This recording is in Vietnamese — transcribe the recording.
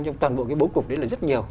trong toàn bộ cái bố cục đấy là rất nhiều